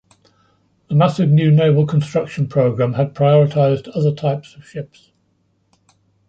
The massive new naval construction program had prioritized other types of ships.